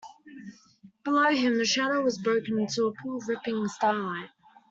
Below him the shadow was broken into a pool of rippling starlight.